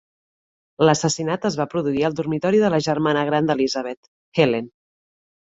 L'assassinat es va produir al dormitori de la germana gran d'Elisabeth, Helen.